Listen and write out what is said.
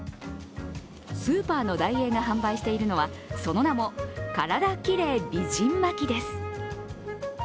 スーパーのダイエーが販売しているのは、その名もカラダキレイ美人巻です。